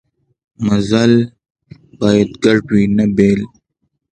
مزال باید ګډ وي نه بېل.